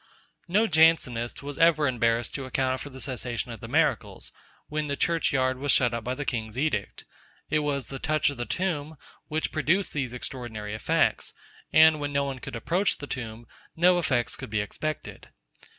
No Jansenist was ever embarrassed to account for the cessation of the miracles, when the church yard was shut up by the king's edict. It was the touch of the tomb, which produced these extraordinary effects; and when no one could approach the tomb, no effects could be expected.